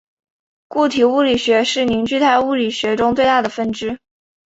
固体物理学是凝聚态物理学中最大的分支。